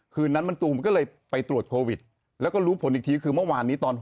คืนนั้นมันตูมก็เลยไปตรวจโควิดแล้วก็รู้ผลอีกทีคือเมื่อวานนี้ตอน๖